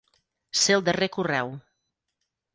Ser el darrer correu.